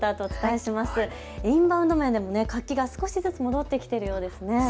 インバウンド面でも活気が少しずつ戻ってきているようですね。